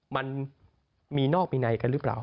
มันมีนอกมีในกันหรือเปล่า